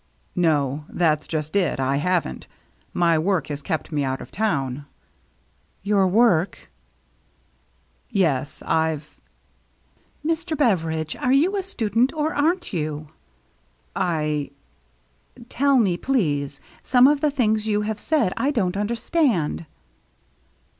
" No — that's just it, I haven't. My work has kept me out of town." "Your work?" "Yes, I've —"" Mr. Beveridge, are you a student, or aren't you?" u J »" Tell me, please. Some of the things you have said I don't understand."